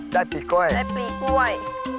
ได้ปลีกล้วย